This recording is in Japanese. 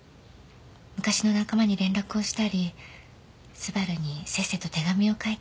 昔の仲間に連絡をしたり昴にせっせと手紙を書いたり。